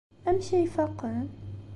Amek ay faqen?